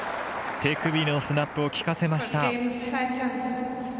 手首のスナップを利かせました。